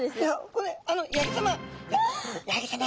これあの八木さま